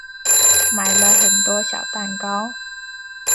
买了很多小蛋糕